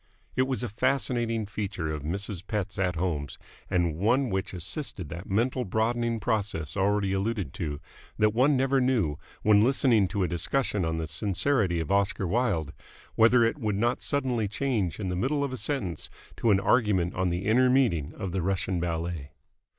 It was a fascinating feature of Mrs. Pett's at homes and one which assisted that mental broadening process already alluded to that one never knew, when listening to a discussion on the sincerity of Oscar Wilde, whether it would not suddenly change in the middle of a sentence to an argument on the inner meaning of the Russian Ballet.